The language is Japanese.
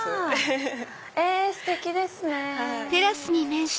ステキですね！